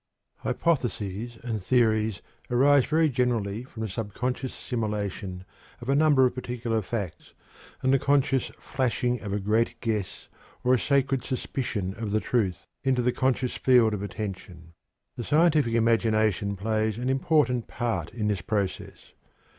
Hypotheses and theories arise very frequently from the subconscious assimilation of a number of particular facts and the consequent flashing of a "great guess," or "sacred suspicion of the truth," into the conscious field of attention. The scientific imagination plays an important part in this process.